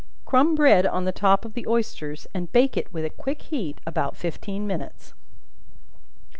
Crumb bread on the top of the oysters, and bake it with a quick heat about fifteen minutes.